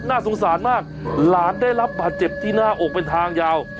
น่าสงสารมากหลานได้รับบาดเจ็บที่หน้าอกเป็นทางยาว